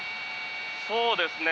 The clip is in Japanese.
そうですね。